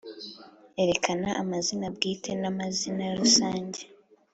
. Erekana amazina bwite na mazina rusange